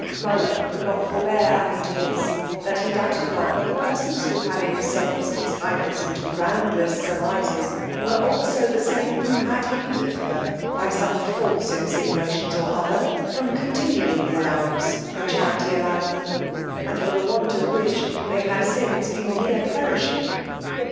Mullern could not forbear adding to this, that he doubted not but the persons who had incensed his highness into groundless surmises, were also the same who had hindered her, by some false insinuations or other, from continuing the allowance her charity allowed them, and for the want of which they had since been near perishing.